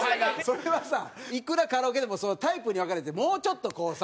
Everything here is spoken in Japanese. それはさいくらカラオケでもタイプに分かれてもうちょっとこうさ。